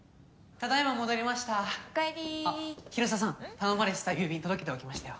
頼まれてた郵便届けておきましたよ。